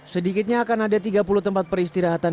sedikitnya akan ada tiga puluh tempat peristirahatan